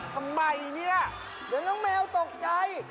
ทำไมเนี่ยเดี๋ยวน้องแมวตกใจ